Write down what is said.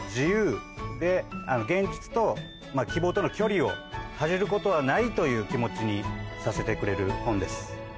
現実と希望との距離を恥じることはないという気持ちにさせてくれる本です。